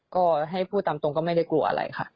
ก็ให้พูดตามตรงก็ไม่ได้กลัวอะไรค่ะ